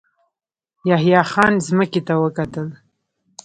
يحيی خان ځمکې ته وکتل.